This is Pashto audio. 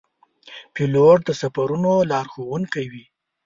پیلوټ د سفرونو لارښوونکی وي.